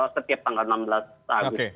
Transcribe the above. setiap tanggal enam belas agustus